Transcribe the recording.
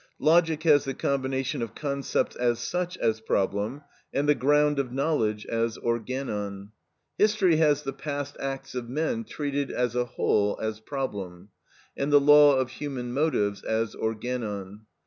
Logic has the combination of concepts as such as problem, and the ground of knowledge as organon. History has the past acts of men treated as a whole as problem, and the law of human motives as organon.